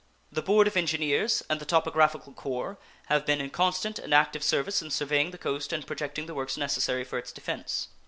The Board of Engineers and the Topographical Corps have been in constant and active service in surveying the coast and projecting the works necessary for its defense.